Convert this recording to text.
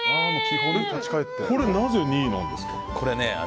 これ、なぜ２位なんですか？